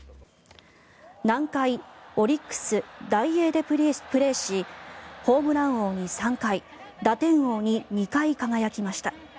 南海、オリックス、ダイエーでプレーしホームラン王に３回打点王に２回輝きました。